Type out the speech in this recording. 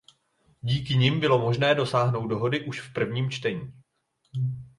Díky nim bylo možné dosáhnout dohody už v prvním čtení.